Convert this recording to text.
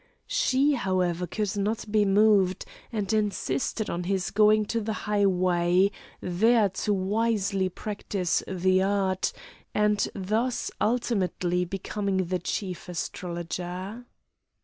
She, however, could not be moved, and insisted on his going to the highway, there to wisely practise the art, and thus ultimately become the Chief Astrologer.